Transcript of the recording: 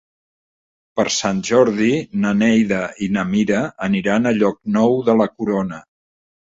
Per Sant Jordi na Neida i na Mira aniran a Llocnou de la Corona.